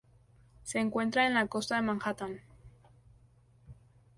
Se encuentra en la costa de Manhattan.